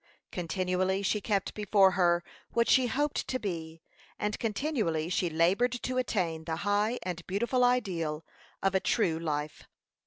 Continually she kept before her what she hoped to be, and continually she labored to attain the high and beautiful ideal of a true life.